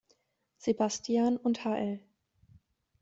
Sebastian und hl.